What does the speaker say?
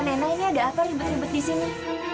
nonton enaknya ada apa ribet ribet disini